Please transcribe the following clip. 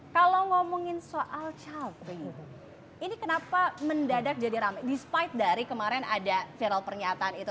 kalau ngomongin soal call ini kenapa mendadak jadi despite dari kemarin ada viral pernyataan itu